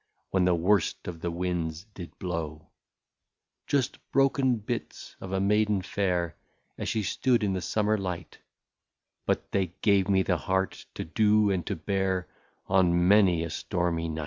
When the worst of the winds did blow. " Just broken bits, — of a maiden fair. As she stood in the summer light, — But they gave me the heart to do and to bear On many a stormy night."